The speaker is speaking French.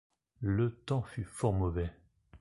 le temps fut fort mauvais.